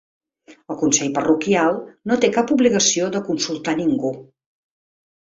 El consell parroquial no té cap obligació de consultar ningú.